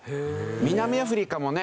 南アフリカもね